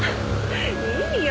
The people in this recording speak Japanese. いいよ。